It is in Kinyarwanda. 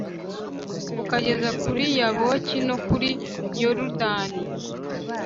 ukageza kuri yaboki no kuri yorudani